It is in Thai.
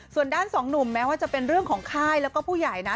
ส่วนด้านสองหนุ่มแม้ว่าจะเป็นเรื่องของค่ายแล้วก็ผู้ใหญ่นะ